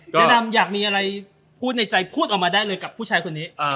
แนะนำอยากมีอะไรพูดในใจพูดออกมาได้เลยกับผู้ชายคนนี้